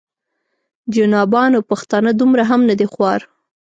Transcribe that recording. جنابانو پښتانه دومره هم نه دي خوار.